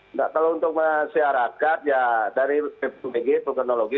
tidak kalau untuk masyarakat ya dari bg vulkanologi